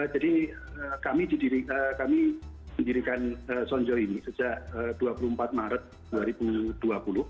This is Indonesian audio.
jadi kami mendirikan sonjo ini sejak dua puluh empat maret dua ribu dua puluh